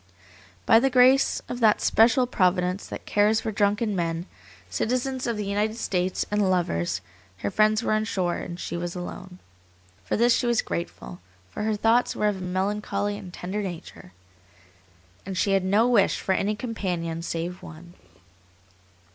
By the grace of that special Providence that cares for drunken men, citizens of the United States, and lovers, her friends were on shore, and she was alone. For this she was grateful, for her thoughts were of a melancholy and tender nature and she had no wish for any companion save one.